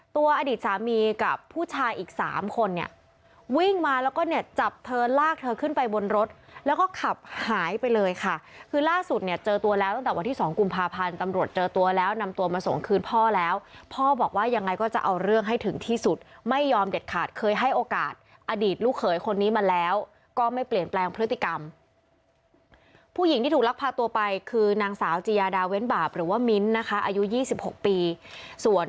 ตัวอดีตสามีกับผู้ชายอีก๓คนเนี่ยวิ่งมาแล้วก็เนี่ยจับเธอลากเธอขึ้นไปบนรถแล้วก็ขับหายไปเลยค่ะคือล่าสุดเนี่ยเจอตัวแล้วตั้งแต่วันที่๒กุมภาพันธ์ตำรวจเจอตัวแล้วนำตัวมาส่งคืนพ่อแล้วพ่อบอกว่ายังไงก็จะเอาเรื่องให้ถึงที่สุดไม่ยอมเด็ดขาดเคยให้โอกาสอดีตลูกเขยคนนี้มาแล้วก็ไม่เปล